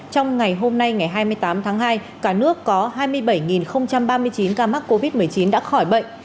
trong ngày hôm nay ngày hai mươi tám tháng hai cả nước có hai mươi bảy ba mươi chín ca mắc covid một mươi chín đã khỏi bệnh